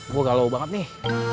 gua galau banget nih